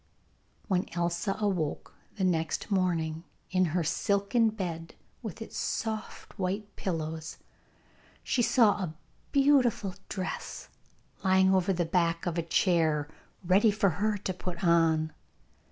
When Elsa awoke the next morning in her silken bed, with its soft white pillows, she saw a beautiful dress lying over the back of a chair, ready for her to put on.